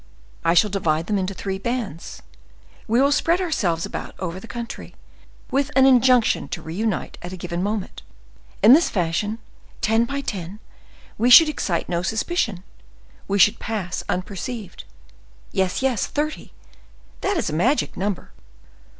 I shall divide them into three bands,—we will spread ourselves about over the country, with an injunction to reunite at a given moment; in this fashion, ten by ten, we should excite no suspicion—we should pass unperceived. Yes, yes, thirty—that is a magic number.